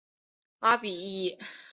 阿比伊。